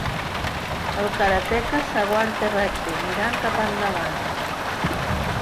El karateka s'aguanta recte, mirant cap endavant.